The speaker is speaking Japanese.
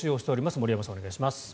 森山さん、お願いします。